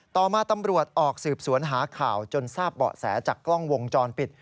ต่อมาตำรวจออกสืบสวนหาข่าวจนทราบเบาะแสจากกล้องวงจรปิด